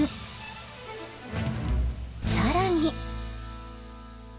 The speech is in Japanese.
さらに。